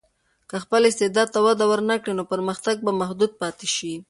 که خپل استعداد ته وده ورنکړې، نو پرمختګ به محدود پاتې شي.